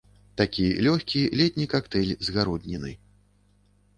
Такі лёгкі, летні кактэйль з гародніны.